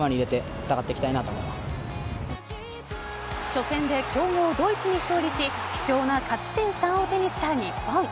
初戦で強豪・ドイツに勝利し貴重な勝ち点３を手にした日本。